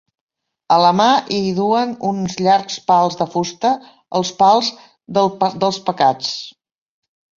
A la mà hi duen uns llargs pals de fusta, els pals dels Pecats.